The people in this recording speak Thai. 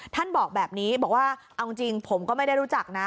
ท่านบอกแบบนี้บอกว่าเอาจริงผมก็ไม่ได้รู้จักนะ